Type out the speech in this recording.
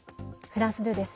フランス２です。